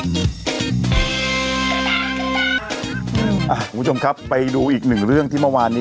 คุณผู้ชมครับไปดูอีกหนึ่งเรื่องที่เมื่อวานนี้